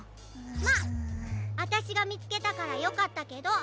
まああたしがみつけたからよかったけど。